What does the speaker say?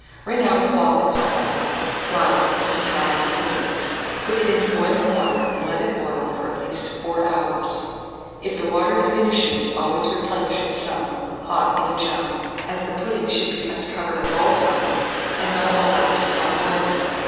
Wring out a cloth in hot water, flour it, and tie up the pudding; put it into boiling water, and let it boil for at least 4 hours. If the water diminishes, always replenish with some, hot in a jug, as the pudding should be kept covered all the time, and not allowed to stop boiling.